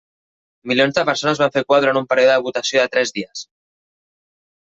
Milions de persones van fer cua durant un període de votació de tres dies.